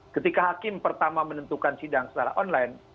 ketika hakim pertama menentukan sidang secara online